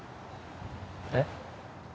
えっ？